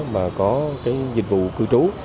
mà có dịch vụ cư trú